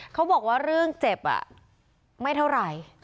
เขาบอกว่าเรื่องเจ็บไม่เท่าไหร่